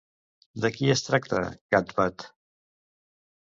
De qui es tracta Cathbad?